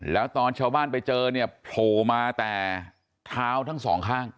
แล้วตอนชาวบ้านไปเจอเนี่ยโผล่มาแต่เท้าทั้งสองข้าง